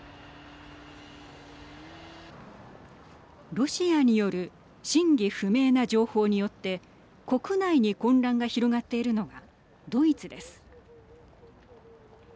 ロシアによる真偽不明な情報によって国内に混乱が広がっているのがドイツです。